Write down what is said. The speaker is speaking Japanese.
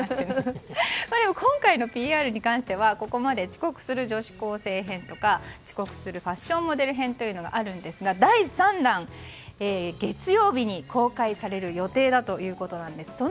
今回のＰＲに関しては、ここまで「遅刻する女子高生編」とか「遅刻するファッションモデル編」というのがあるんですが第３弾、月曜日に公開される予定だということです。